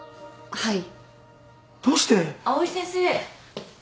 はい。